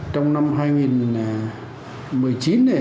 trong năm hai nghìn một mươi chín này